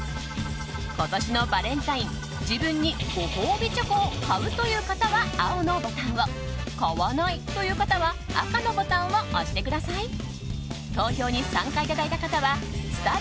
今年のバレンタイン自分にご褒美チョコを買うという方は青のボタンを買わないという方は赤のボタンを押してください。